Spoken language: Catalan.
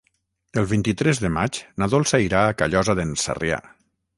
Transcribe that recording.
El vint-i-tres de maig na Dolça irà a Callosa d'en Sarrià.